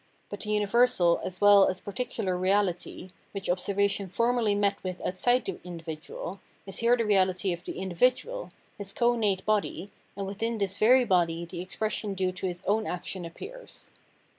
But the universal as well as particular reality, which observation formerly met with outside the individual, is here the reahty of the individual, his co nate body, and within this very body the expression due to his own action appears.